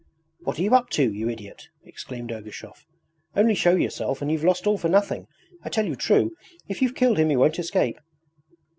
'What are you up to, you idiot?' exclaimed Ergushov. 'Only show yourself and you've lost all for nothing, I tell you true! If you've killed him he won't escape.